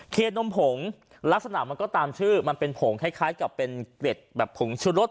เคนมผงลักษณะมันก็ตามชื่อมันเป็นผงคล้ายกับเป็นเกร็ดแบบผงชุรส